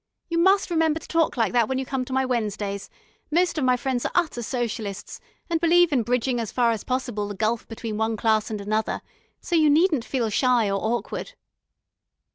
"You must remember to talk like that when you come to my Wednesdays. Most of my friends are utter Socialists, and believe in bridging as far as possible the gulf between one class and another, so you needn't feel shy or awkward."